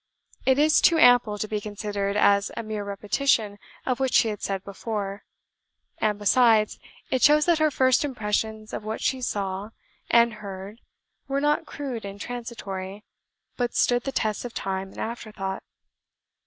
It is too ample to be considered as a mere repetition of what she had said before; and, besides, it shows that her first impressions of what she saw and heard were not crude and transitory, but stood the tests of time and after thought.